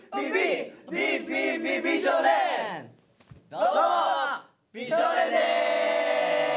どうも美少年です！